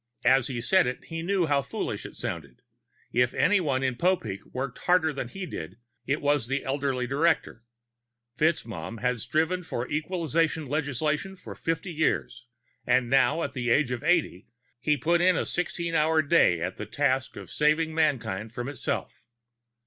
As he said it, he knew how foolish it sounded. If anyone in Popeek worked harder than he did, it was the elderly director. FitzMaugham had striven for equalization legislature for fifty years, and now, at the age of eighty, he put in a sixteen hour day at the task of saving mankind from itself.